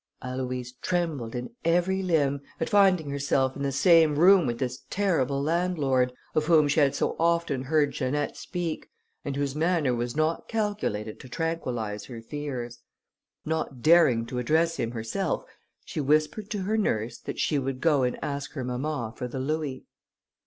Aloïse trembled in every limb, at finding herself in the same room with this terrible landlord, of whom she had so often heard Janette speak, and whose manner was not calculated to tranquillize her fears. Not daring to address him herself, she whispered to her nurse, that she would go and ask her mamma for the louis.